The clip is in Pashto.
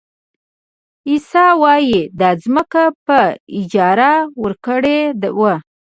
عیسی وایي دا ځمکه په اجاره ورکړې وه.